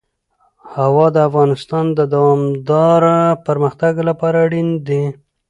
هوا د افغانستان د دوامداره پرمختګ لپاره اړین دي.